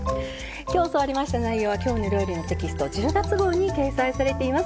今日教わりました内容は「きょうの料理」テキスト１０月号に掲載されています。